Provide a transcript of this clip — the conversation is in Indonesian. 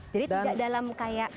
jadi tidak dalam kayak